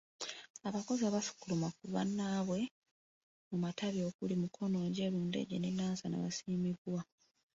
Abakozi abaasukkuluma ku bannaabwe mu matabi okuli; Mukono, Njeru, Ndejje ne Nansana baasiimibwa.